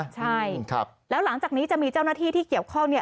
ใช่แล้วหลังจากนี้จะมีเจ้าหน้าที่ที่เกี่ยวข้องเนี่ย